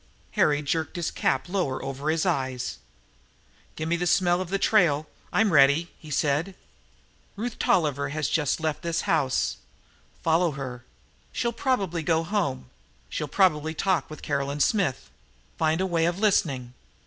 Harry jerked his cap lower over his eyes. "Gimme the smell of the trail, I'm ready," he said. "Ruth Tolliver has just left the house. Follow her. She'll probably go home. She'll probably talk with Caroline Smith. Find a way of listening.